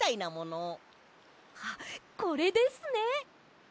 あっこれですね！